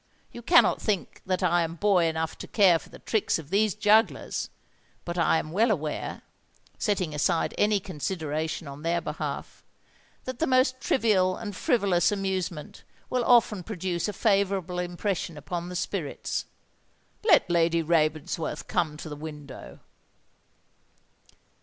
You cannot think that I am boy enough to care for the tricks of these jugglers; but I am well aware—setting aside any consideration on their behalf—that the most trivial and frivolous amusement will often produce a favourable impression upon the spirits. Let Lady Ravensworth come to the window."